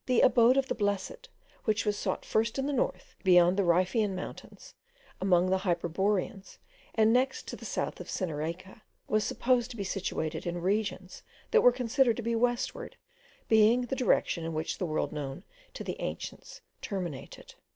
The Abode of the Blessed, which was sought first in the north, beyond the Riphaean mountains, among the Hyperboreans, and next to the south of Cyrenaica, was supposed to be situated in regions that were considered to be westward, being the direction in which the world known to the ancients terminated.